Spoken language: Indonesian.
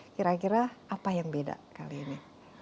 kira kira apa yang beda kali ini